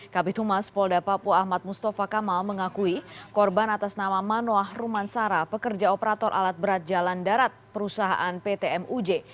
kabitumas polda papua ahmad mustafa kamal mengakui korban atas nama manoa rumansara pekerja operator alat berat jalan darat perusahaan pt muj